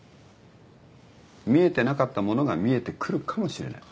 見えてなかったものが見えてくるかもしれない。